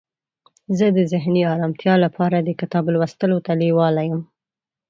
زه د ذهني آرامتیا لپاره د کتاب لوستلو ته لیواله یم.